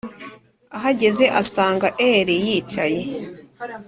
Ahageze asanga Eli yicaye